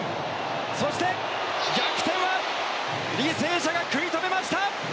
そして、逆転は履正社が食い止めました！